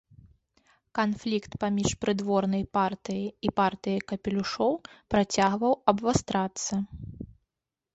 Канфлікт паміж прыдворнай партыяй і партыяй капелюшоў працягваў абвастрацца.